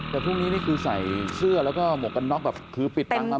แต่พรุ่งนี้นี่คือใส่เสื้อแล้วก็หมวกกันน็อกแบบคือปิดตังค์มา